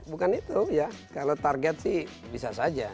bukan itu ya kalau target sih bisa saja